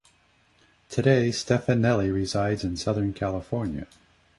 Today, Stefanelli resides in Southern California.